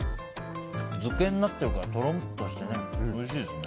漬けになってるからとろんとしておいしいですね。